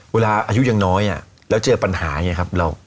อายุยังน้อยแล้วเจอปัญหาอย่างนี้ครับ